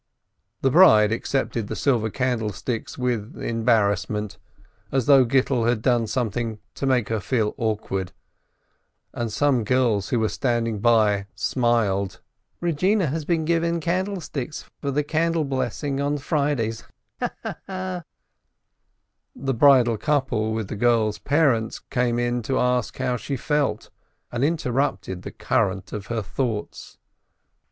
The bride accepted the silver candlesticks with embarrassment, as though Gittel had done something to make her feel awkward, and some girls who were standing by smiled, "Begina has been given candle sticks for the candle blessing on Fridays — ha, ha, ha !" The bridal couple with the girl's parents came in to ask how she felt, and interrupted the current of her thoughts.